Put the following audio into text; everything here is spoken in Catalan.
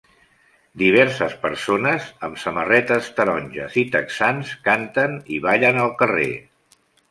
Diverses persones amb samarretes taronges i texans canten i ballen al carrer.